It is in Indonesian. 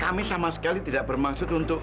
kami sama sekali tidak bermaksud untuk